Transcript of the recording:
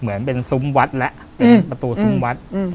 เหมือนเป็นซุ้มวัดแล้วเป็นประตูซุ้มวัด